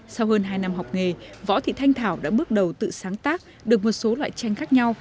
sau hơn hai năm học nghề võ thị thanh thảo đã bước đầu tự sáng tác được một số loại tranh khác nhau